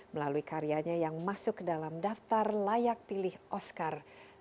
melalui karyanya yang masuk dalam daftar layak pilih oscar dua ribu lima belas